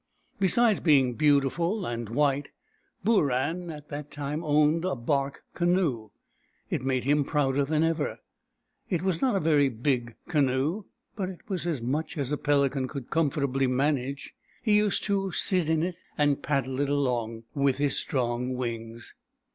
Besides being beautiful and white, Booran at that time owned a bark canoe. It made him prouder than ever. It was not a very big canoe, but it was as much as a pelican could comfortably manage. He used to sit in it and paddle it along BOORAN, THE PELICAN 89 with his strong wings.